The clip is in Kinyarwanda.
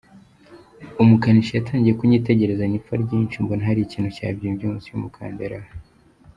Umukanishi yatangiye kunyitegerezanya ipfa ryinshi mbona hari ikintu cyabyimbye munsi y’umukandara we.